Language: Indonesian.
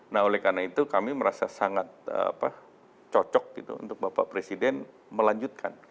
nah oleh karena itu kami merasa sangat cocok untuk bapak presiden melanjutkan